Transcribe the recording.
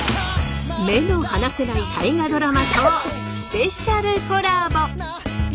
目の離せない「大河ドラマ」とスペシャルコラボ！